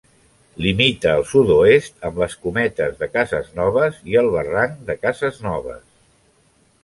Limita al sud-oest amb les Cometes de Casesnoves i el Barranc de Casesnoves.